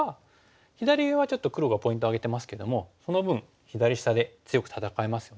左上はちょっと黒がポイント挙げてますけどもその分左下で強く戦えますよね。